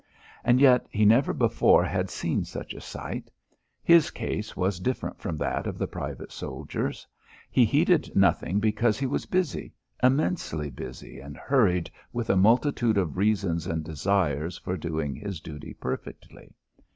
And yet he never before had seen such a sight. His case was different from that of the private soldiers. He heeded nothing because he was busy immensely busy and hurried with a multitude of reasons and desires for doing his duty perfectly.